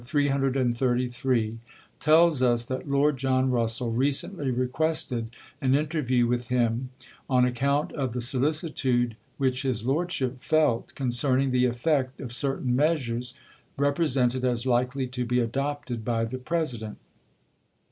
333) tells us that Lord John Russell recently requested an inter view with him on account of the sohcitude which His Lordship felt concerning the effect of certain measures represented as likely to be adopted by the President.